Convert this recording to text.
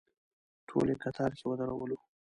ټول یې کتار کې ودرولو.